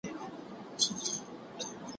کومه ورځ به وي چي هر غم ته مو شاسي